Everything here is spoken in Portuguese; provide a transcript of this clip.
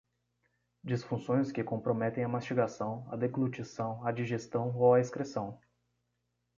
Disfunções que comprometem a mastigação, a deglutição, a digestão ou a excreção.